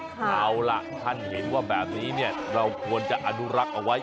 เอาล่ะท่านเห็นว่าแบบนี้เนี่ยเราควรจะอนุรักษ์เอาไว้